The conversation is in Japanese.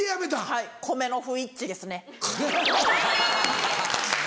はい米の不一致ですね。